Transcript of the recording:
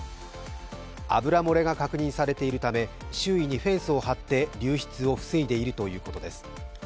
油漏れが確認されているため、周囲にフェンスを張って流出を防いでいるということです。